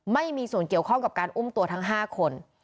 ไม่มีส่วนเกี่ยวข้องกับการอุ้มตัวทั้ง๕คน